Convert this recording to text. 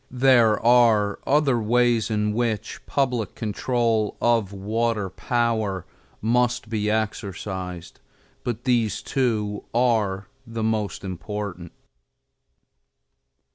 There are other ways in which public control of water power must be exercised, but these two are the most important.